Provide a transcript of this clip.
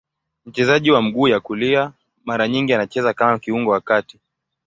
Mchezaji wa mguu ya kulia, mara nyingi anacheza kama kiungo wa kati.